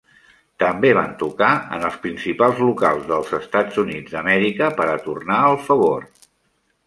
També van tocar en els principals locals dels Estats Units d'Amèrica per a tornar el favor.